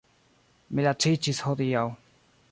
Mi laciĝis hodiaŭ.